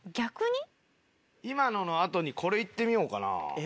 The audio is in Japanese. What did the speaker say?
今のの後にこれ行ってみようかな。